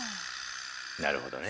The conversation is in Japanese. なるほどね。